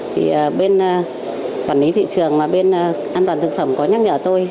thì bên quản lý thị trường và bên an toàn thực phẩm có nhắc nhở tôi